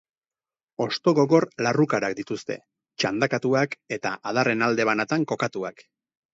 Hosto gogor larrukarak dituzte, txandakatuak eta adarren alde banatan kokatuak.